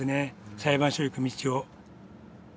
裁判所へ行く道を。